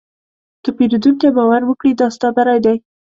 که پیرودونکی باور وکړي، دا ستا بری دی.